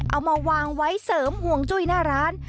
เอามาวางไว้เสริมห่วงจุ้ยหน้าร้าน